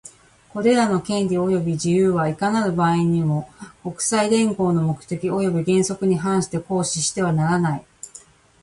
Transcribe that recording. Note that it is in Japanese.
これらの権利及び自由は、いかなる場合にも、国際連合の目的及び原則に反して行使してはならない。